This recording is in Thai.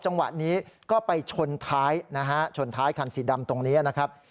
จังหวะนี้ก็ไปชนท้ายนะฮะชนท้ายคันสีดำตรงนี้นะครับ